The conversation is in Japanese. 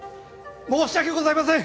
申し訳ございません！